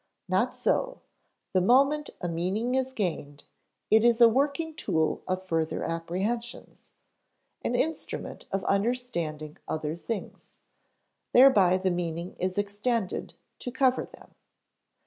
Not so; the moment a meaning is gained, it is a working tool of further apprehensions, an instrument of understanding other things. Thereby the meaning is extended to cover them.